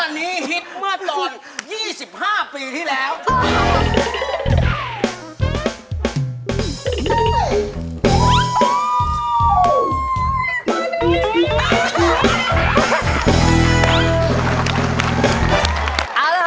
แล้ววันนี้หนูจะมาร้องเพลงอะไรครับชาดำ